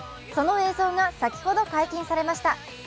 その映像が先ほど解禁されました。